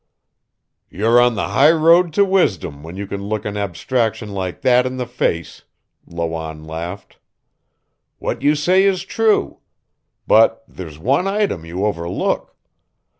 "You're on the high road to wisdom when you can look an abstraction like that in the face," Lawanne laughed. "What you say is true. But there's one item you overlook.